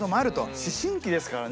思春期ですからね。